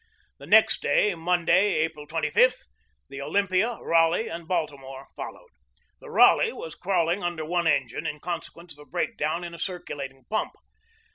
The next day, Monday, April 25, the Olympia, Raleigh, and Baltimore followed. The Raleigh was crawling under one engine in consequence of a break down in a cir culating pump.